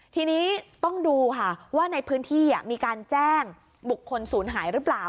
ทีนี้ต้องดูค่ะว่าในพื้นที่มีการแจ้งบุคคลศูนย์หายหรือเปล่า